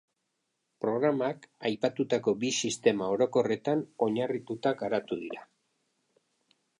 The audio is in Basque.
Programak aipatutako bi sistema orokorretan oinarrituta garatu dira.